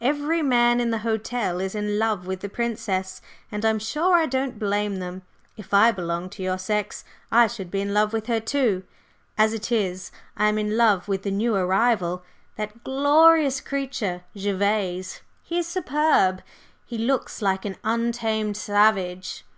"Every man in the hotel is in love with the Princess, and I'm sure I don't blame them. If I belonged to your sex I should be in love with her too. As it is, I am in love with the new arrival, that glorious creature, Gervase. He is superb! He looks like an untamed savage.